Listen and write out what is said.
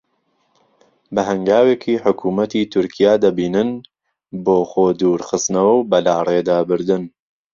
بە هەنگاوێکی حکوومەتی تورکیا دەبینن بۆ خۆدوورخستنەوە و بەلاڕێدابردن